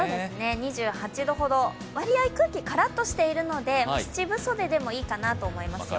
２８度ほど、割合、空気カラッとしているので七分袖でもいいかなと思いますよ。